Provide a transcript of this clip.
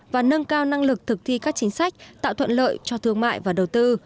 và nâng cao năng lực thực thi các chính sách tạo thuận lợi cho thương mại và đầu tư